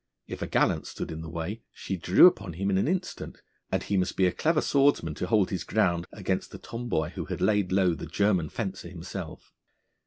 If a gallant stood in the way, she drew upon him in an instant, and he must be a clever swordsman to hold his ground against the tomboy who had laid low the German fencer himself.